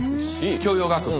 教養学部。